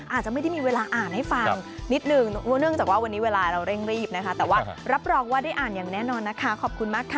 อาจจะไม่ได้มีเวลาอ่านให้ฟังนิดนึงเนื่องจากว่าวันนี้เวลาเราเร่งรีบนะคะแต่ว่ารับรองว่าได้อ่านอย่างแน่นอนนะคะขอบคุณมากค่ะ